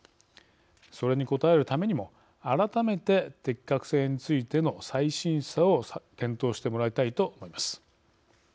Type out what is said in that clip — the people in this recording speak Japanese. それに応えるためにも改めて適格性についての再審査を検討してもらいたいと思います。